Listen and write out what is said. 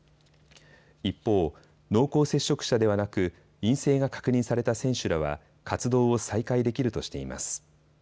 一方、濃厚接触者ではなく陰性が確認された選手らは活動を再開できるとしています。